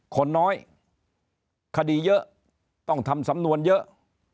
คนน้อยคดีเยอะต้องทำสำนวนเยอะ